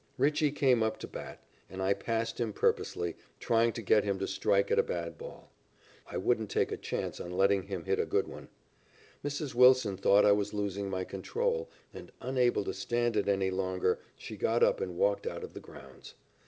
Ritchey came up to the bat, and I passed him purposely, trying to get him to strike at a bad ball. I wouldn't take a chance on letting him hit at a good one. Mrs. Wilson thought I was losing my control, and unable to stand it any longer she got up and walked out of the grounds.